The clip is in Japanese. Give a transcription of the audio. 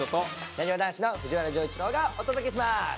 なにわ男子の藤原丈一郎がお届けします。